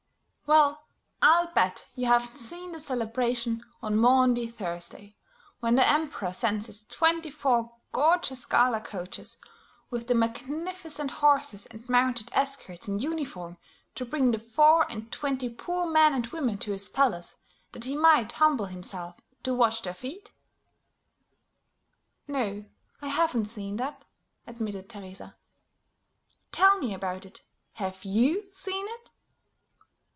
"Well, I'll bet you haven't seen the celebration on Maundy Thursday, when the Emperor sends his twenty four gorgeous gala coaches with their magnificent horses and mounted escorts in uniform to bring the four and twenty poor men and women to his palace, that he might humble himself to wash their feet?" "No, I haven't seen that," admitted Teresa. "Tell me about it. Have you seen it?"